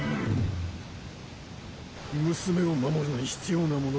娘を守るのに必要なもの